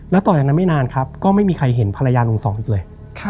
แล้วต่อจากนั้นไม่นานครับก็ไม่มีใครเห็นภรรยาลุงสองอีกเลย